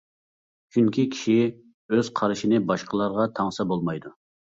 چۈنكى كىشى ئۆز قارىشىنى باشقىلارغا تاڭسا بولمايدۇ.